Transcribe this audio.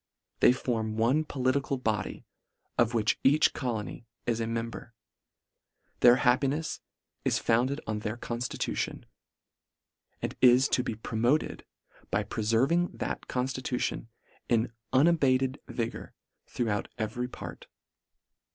They form one poli tical body, of which each colony is a mem ber. Their happinefs is founded on their conftitution ; and is to be promoted by preferving that conftitution in unabated vi gour throughout every part.